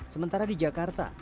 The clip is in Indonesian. sementara di jakarta